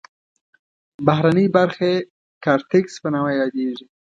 بهرنۍ برخه یې کارتکس په نامه یادیږي.